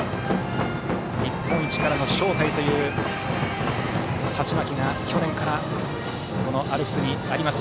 「日本一からの招待」という鉢巻きが去年からアルプスにあります。